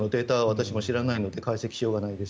私も知らないので解析しようがないです。